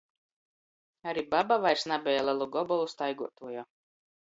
Ari baba vairs nabeja lelu gobolu staiguotuoja.